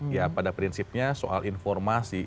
ya pada prinsipnya soal informasi